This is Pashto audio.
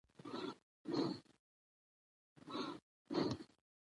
د رامنځته کېدو ترڅنګ د سيمهييز اقتصاد